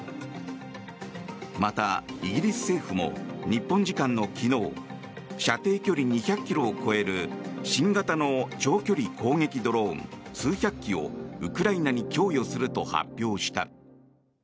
また、イギリス政府も日本時間の昨日射程距離２００ｋｍを超える新型の長距離攻撃ドローン数百機をウクライナに供与すると発表した。